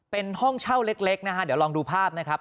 เป็นห้องเช่าเล็กนะฮะเดี๋ยวลองดูภาพนะครับ